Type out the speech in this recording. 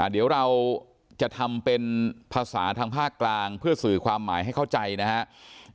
เดี๋ยวเราจะทำเป็นภาษาทางภาคกลางเพื่อสื่อความหมายให้เข้าใจนะครับ